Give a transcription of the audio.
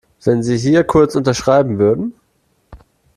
Wenn Sie hier kurz unterschreiben würden.